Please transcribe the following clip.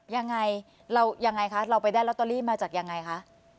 ยังไงเรายังไงคะเราไปได้ลอตเตอรี่มาจากยังไงคะ